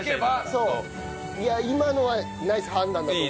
今のはナイス判断だと思う。